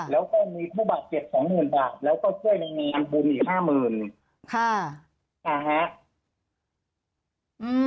แล้วก็มีผู้บัตรเก็บสองหมื่นบาทแล้วก็ช่วยในเมียงอันบุญอีกห้ามืนค่ะอ่าฮะอืม